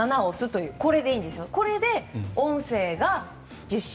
これで音声が受信。